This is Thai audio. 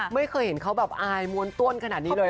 ไม่เคยเห็นเค้าอายมวนต้นขนาดนี้เลยอะ